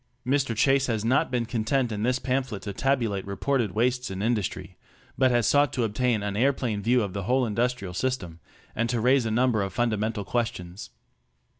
Mr. Chase has not been content in this pamphlet to tabulate reported wastes in industry, but has sought to obtain "an aeroplane view" of the whole industrial system, and to raise a number of fundamental questions.